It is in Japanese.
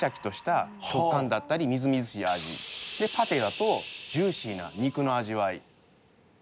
パティだとジューシーな肉の味わい。